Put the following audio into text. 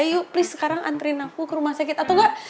yuk please sekarang antriin aku ke rumah sakit atau enggak